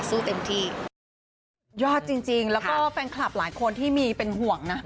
สู้เต็มที่สุดยอดจริงจริงแล้วก็แฟนคลับหลายคนที่มีเป็นห่วงนะ